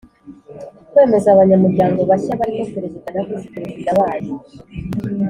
Kwemeza abanyamuryango bashya barimo Perezida na Visi Perezida bayo